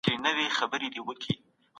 چې خپل وطن اباد کړو.